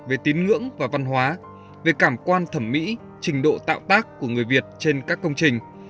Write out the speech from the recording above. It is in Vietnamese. về tín ngưỡng và văn hóa về cảm quan thẩm mỹ trình độ tạo tác của người việt trên các công trình